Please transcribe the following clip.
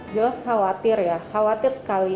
jelas khawatir ya khawatir sekali